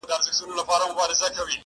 لېوه جوړي په ځنګله کي کړې رمباړي.!